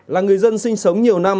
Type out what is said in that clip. là người dân sinh sống nhiều năm